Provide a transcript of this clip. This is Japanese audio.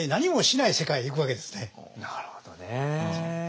なるほどね。